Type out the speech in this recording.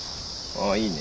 あいいね。